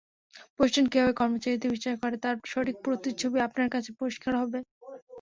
প্রতিষ্ঠান কীভাবে কর্মচারীদের বিচার করে, তার সঠিক প্রতিচ্ছবি আপনার কাছে পরিষ্কার হবে।